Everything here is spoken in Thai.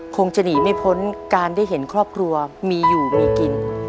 คงจะหนีไม่พ้นการได้เห็นครอบครัวมีอยู่มีกิน